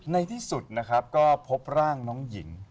ในที่สุดนะครับก็พบร่างน้องหญิง